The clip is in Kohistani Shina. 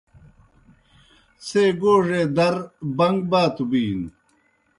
څھے گوڙے در بَن٘گ باتوْ بِینوْ۔